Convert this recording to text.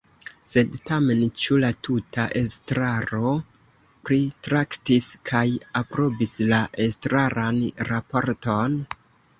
Sed tamen, ĉu la tuta estraro pritraktis kaj aprobis la estraran raporton?